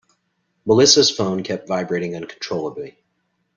Melissa's phone kept vibrating uncontrollably.